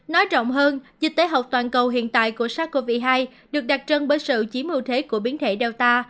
nói rộng hơn dịch tế học toàn cầu hiện tại của sars cov hai được đặc trân bởi sự chiếm ưu thế của biến thể delta